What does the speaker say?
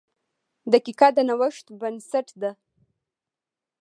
• دقیقه د نوښت بنسټ ده.